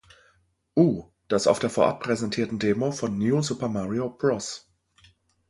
U", das auf der vorab präsentierten Demo von "New Super Mario Bros.